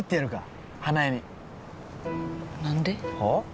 「何で？」